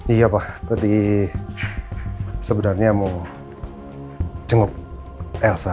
iya pak tadi sebenarnya mau jenguk elsa